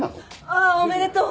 ああおめでとう。